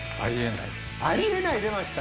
「ありえない」出ました。